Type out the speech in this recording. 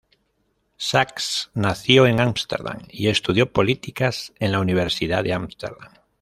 Sax nació en Amsterdam y estudió políticas en la Universidad de Amsterdam.